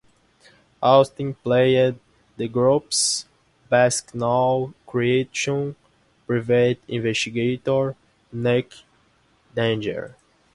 Austin played the group's best-known creation, private investigator Nick Danger.